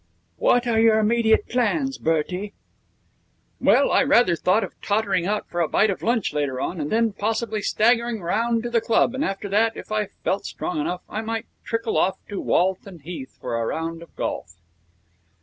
'What are your immediate plans, Bertie?' 'Well, I rather thought of tottering out for a bite of lunch later on, and then possibly staggering round to the club, and after that, if I felt strong enough, I might trickle off to Walton Heath for a round of golf.'